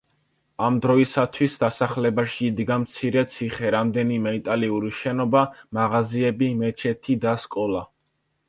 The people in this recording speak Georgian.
ამ დროისათვის, დასახლებაში იდგა მცირე ციხე, რამდენიმე იტალიური შენობა, მაღაზიები, მეჩეთი და სკოლა.